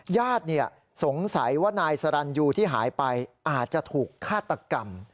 ญาติสงสัยว่านายสรรยูที่หายไปอาจจะถูกฆาตกรรม